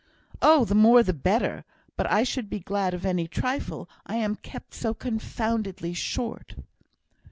"Oh! the more the better. But I should be glad of any trifle, I am kept so confoundedly short."